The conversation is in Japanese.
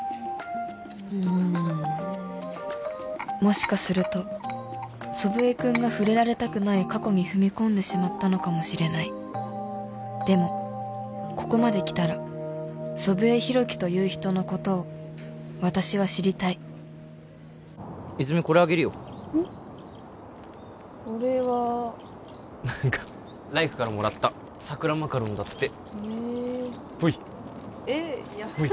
うんもしかすると祖父江君が触れられたくない過去に踏み込んでしまったのかもしれないでもここまで来たら祖父江広樹という人のことを私は知りたい泉これあげるよこれは何か来玖からもらった桜マカロンだってへえほいほい